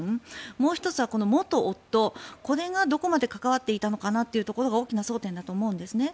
もう１つは元夫これがどこまで関わっていたのかというところが大きな争点だと思うんです。